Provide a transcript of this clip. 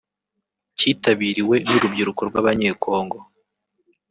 cyitabiriwe n’urubyiruko rw’abanyekongo